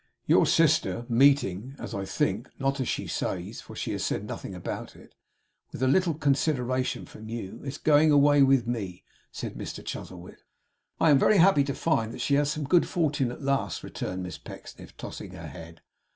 'Your sister, meeting as I think; not as she says, for she has said nothing about it with little consideration from you, is going away with me,' said Mr Chuzzlewit. 'I am very happy to find that she has some good fortune at last,' returned Miss Pecksniff, tossing her head.